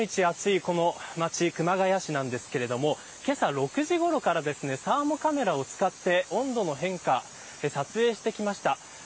そんな日本一暑いこの街熊谷市なんですけれどもけさ６時ごろからサーモカメラを使って温度の変化撮影してきました。